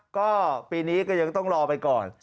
ก็ปีนี้ก็ยังต้องรอไปก่อน